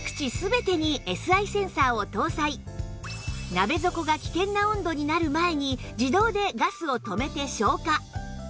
鍋底が危険な温度になる前に自動でガスを止めて消火